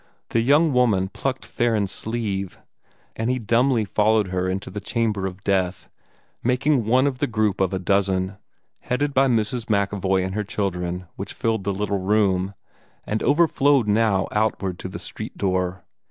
The young woman plucked Theron's sleeve, and he dumbly followed her into the chamber of death, making one of the group of a dozen, headed by Mrs. MacEvoy and her children, which filled the little room, and overflowed now outward to the street door.